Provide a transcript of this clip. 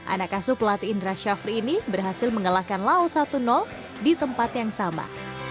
anak asuh pelatih indra syafri ini berhasil mengalahkan lao satu di tempat yang sama